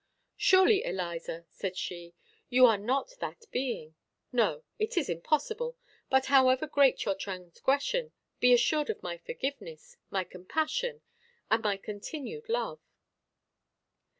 "Surely, Eliza," said she, "you are not that being! No, it is impossible! But however great your transgression, be assured of my forgiveness, my compassion, and my continued love."